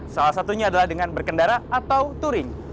salah satunya adalah dengan berkendara atau touring